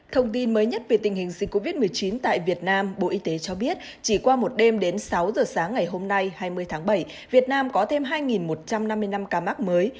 thông tin mới nhất về tình hình dịch covid một mươi chín tại việt nam bộ y tế cho biết chỉ qua một đêm đến sáu giờ sáng ngày hôm nay hai mươi tháng bảy việt nam có thêm hai một trăm năm mươi năm ca mắc mới